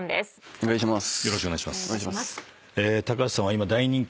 お願いします。